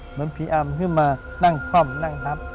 เหมือนผีอำขึ้นมานั่งคว่ำนั่งนับ